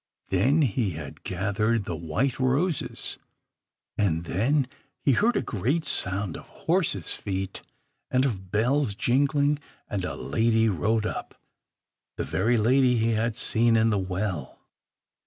Then he had gathered the white roses, and then he heard a great sound of horses' feet, and of bells jingling, and a lady rode up, the very lady he had seen in the well.